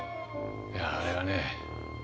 いやあれはね